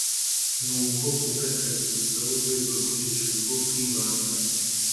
nubwoko bwakazi busaba urwego rwo hejuru rwo kwibanda